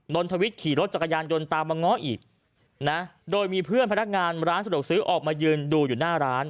นนทวิทย์ขี่รถจักรยานยนต์ตามมาง้ออีกนะโดยมีเพื่อนพนักงานร้านสะดวกซื้อออกมายืนดูอยู่หน้าร้าน